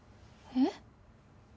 えっ？